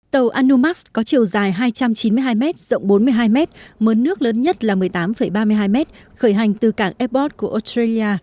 tàu anu max có chiều dài hai trăm chín mươi hai m rộng bốn mươi hai m mớ nước lớn nhất là một mươi tám ba mươi hai m khởi hành từ cảng ebbot của australia